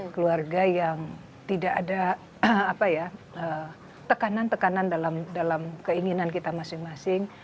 keluarga yang tidak ada tekanan tekanan dalam keinginan kita masing masing